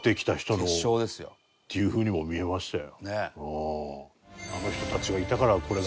結晶ですよ。っていうふうにも見えましたよ。